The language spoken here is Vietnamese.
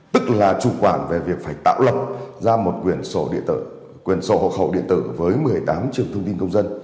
tức là chủ quản về việc phải tạo lập ra một quyền sổ địa tờ quyền sổ hộ khẩu địa tờ với một mươi tám trường thông tin công dân